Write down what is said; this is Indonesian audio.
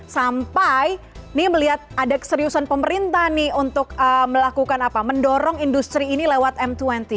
sampai nih melihat ada keseriusan pemerintah nih untuk melakukan apa mendorong industri ini lewat m dua puluh